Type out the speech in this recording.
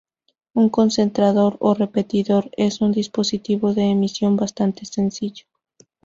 Un concentrador, o repetidor, es un dispositivo de emisión bastante sencillo.